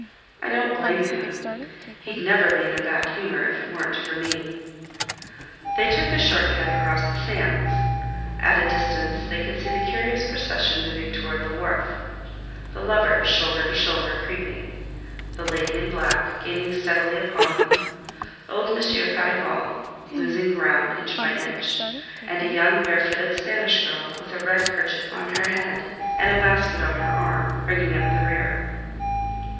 I don't blame him; he'd never be in a bad humor if it weren't for me." They took a short cut across the sands. At a distance they could see the curious procession moving toward the wharf—the lovers, shoulder to shoulder, creeping; the lady in black, gaining steadily upon them; old Monsieur Farival, losing ground inch by inch, and a young barefooted Spanish girl, with a red kerchief on her head and a basket on her arm, bringing up the rear.